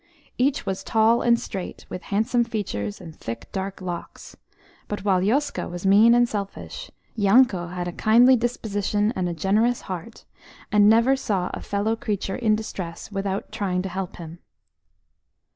Each was tall and straight, with handsome features and thick dark locks, but while Yoska was mean and selfish, Yanko had a kindly disposition and a generous heart, and never saw a fellow creature in distress without trying to help him.